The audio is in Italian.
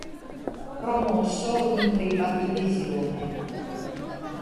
Promosso in Prima Divisione.